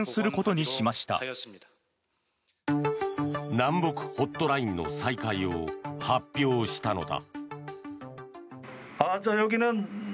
南北ホットラインの再開を発表したのだ。